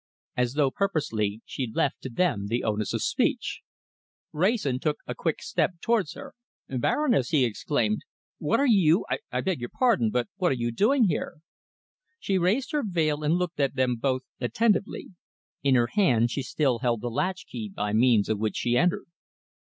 As though purposely, she left to them the onus of speech. Wrayson took a quick step towards her. "Baroness!" he exclaimed. "What are you I beg your pardon, but what are you doing here?" She raised her veil and looked at them both attentively. In her hand she still held the latch key by means of which she entered.